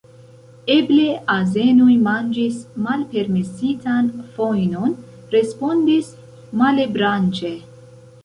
Eble azenoj manĝis malpermesitan fojnon, respondis Malebranche.